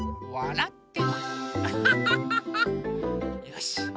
よし！